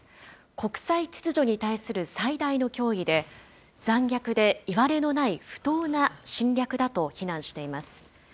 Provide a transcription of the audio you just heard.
国際秩序に対する最大の脅威で、残虐でいわれのない不当な侵略だと非難しています。